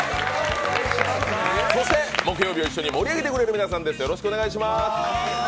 そして木曜日を一緒に盛り上げてくれる皆さんです。